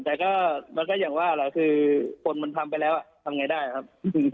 แต่ก็มันก็อย่างว่าคนมันทำไปแล้วทำยังไงได้ครับ